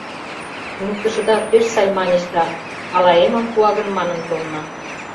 Туныктышыда пеш сай, маньыч, да ала эмым пуа гын манын толна.